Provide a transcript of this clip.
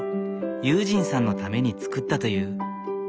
悠仁さんのために作ったという。